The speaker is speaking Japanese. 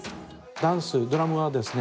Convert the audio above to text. ダンスドラムはですね